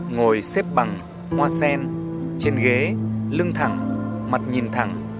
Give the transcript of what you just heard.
ngồi xếp bằng hoa sen trên ghế lưng thẳng mặt nhìn thẳng